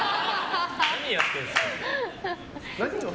何やってるんですか。